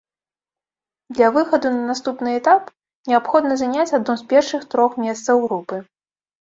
Для выхаду на наступны этап неабходна заняць адно з першых трох месцаў групы.